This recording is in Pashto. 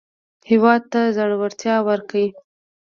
هېواد ته زړورتیا ورکړئ